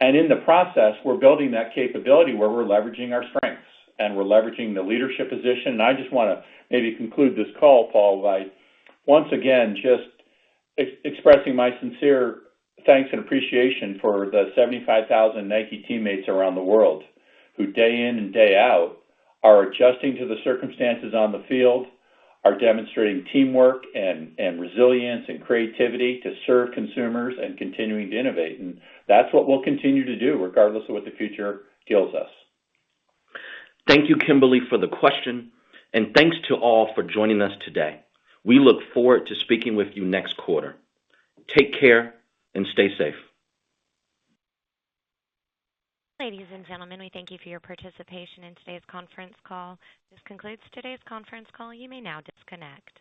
In the process, we're building that capability where we're leveraging our strengths and we're leveraging the leadership position. I just wanna maybe conclude this call, Paul, by once again, just expressing my sincere thanks and appreciation for the 75,000 Nike teammates around the world, who day in and day out are adjusting to the circumstances on the field, are demonstrating teamwork and resilience and creativity to serve consumers and continuing to innovate. That's what we'll continue to do, regardless of what the future deals us.
Thank you, Kimberly, for the question. Thanks to all for joining us today. We look forward to speaking with you next quarter. Take care and stay safe.
Ladies and gentlemen, we thank you for your participation in today's conference call. This concludes today's conference call. You may now disconnect.